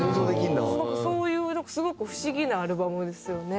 すごくそういうすごく不思議なアルバムですよね。